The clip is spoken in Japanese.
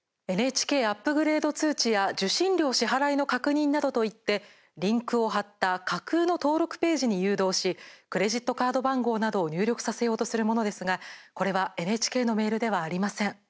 ＮＨＫアップグレード通知や受信料支払いの確認などといってリンクを貼った架空の登録ページに誘導しクレジットカード番号などを入力させようとするものですがこれはＮＨＫのメールではありません。